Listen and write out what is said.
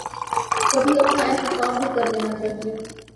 کبھی اپنا احتساب بھی کر لینا چاہیے۔